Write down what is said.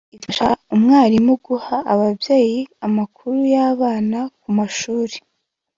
ifasha umwarimu guha ababyeyi amakuru y’abana ku mashuri